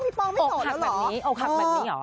พี่ป้องไม่โสดแล้วเหรออกหักแบบนี้เหรออ๋อ